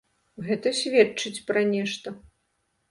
Гэта сведчыць пра нешта.